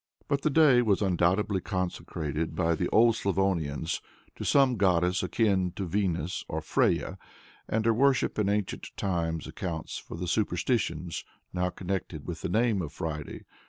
But the day was undoubtedly consecrated by the old Slavonians to some goddess akin to Venus or Freyja, and her worship in ancient times accounts for the superstitions now connected with the name of Friday.